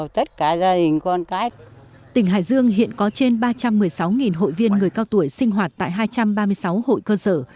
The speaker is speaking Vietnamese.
tỉnh hải dương hiện có trên ba trăm một mươi sáu hội viên người cao tuổi sinh hoạt tại hai trăm ba mươi sáu hội cơ sở